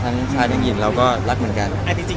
ทั้งข้าวเสียงหญิงเราก็รักเหมือนกัน